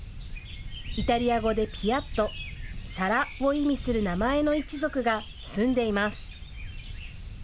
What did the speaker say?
イタリア語でピアット皿を意味する名前の一族が住んでいます。